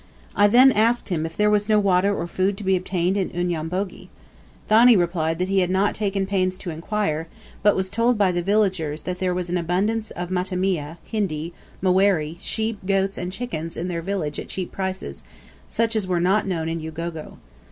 I then asked him if there was no water or food to be obtained in Unyambogi. Thani replied that he had not taken pains to inquire, but was told by the villagers that there was an abundance of matamia, hindi, maweri, sheep; goats, and chickens in their village at cheap prices, such as were not known in Ugogo.